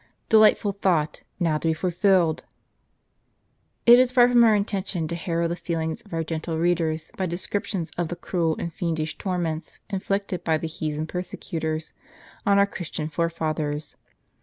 Delightful thought, now to be fulfilled ! It is far from our intention to harrow the feelings of our gentle readers by descriptions of the cruel and fiendish tor ments inflicted by the heathen persecutors on our Christian forefathers.